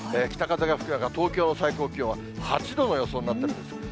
北風が吹く中、東京の最高気温８度の予想になってるんです。